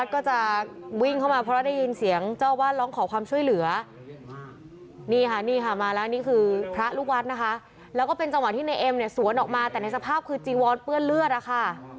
ก็เป็นจังหวะที่นายเอ็มเนี่ยสวนออกมาแต่ในสภาพคือจีวอนเปื้อนเลือดอะค่ะ